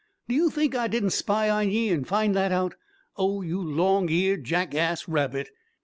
Do you think I didn't spy on ye and find that out? Oh, you long eared jackass rabbit!"